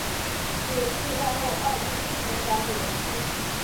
娶慈禧太后二弟桂祥长女为妻。